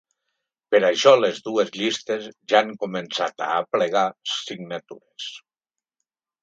Per això les dues llistes ja han començat a aplegar signatures.